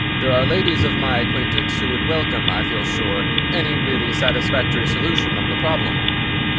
There are ladies of my acquaintance who would welcome, I feel sure, any really satisfactory solution of the problem."